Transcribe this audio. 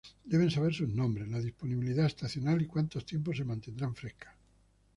Deben saber sus nombres, la disponibilidad estacional y cuánto tiempo se mantendrán frescas.